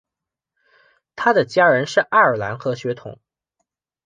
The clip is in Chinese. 他的家人是爱尔兰和血统。